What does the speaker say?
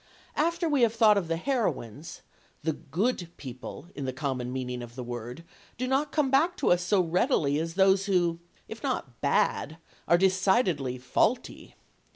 After we have thought of the heroines, the "good" people, in the common meaning of the word, do not come back to us so readily as those who, if not "bad," are decidedly faulty.